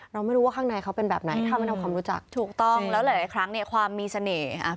เราไม่รู้ว่าข้างในเขาเป็นแบบไหนถ้ามันทำความรู้จักถูกต้องแล้วหลายครั้งเนี่ยความมีเสน่ห์อ่ะ